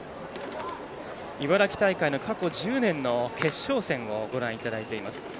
茨城大会の過去１０年の決勝戦をご覧いただいています。